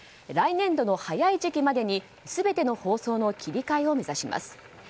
来年度の早い時期までに全ての包装の切り替えを目指します。